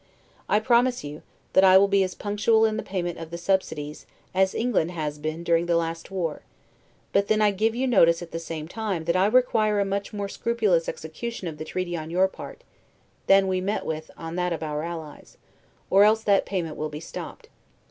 I promise you, that I will be as punctual in the payment of the subsidies, as England has been during the last war; but then I give you notice at the same time, that I require a much more scrupulous execution of the treaty on your part, than we met with on that of our allies; or else that payment will be stopped.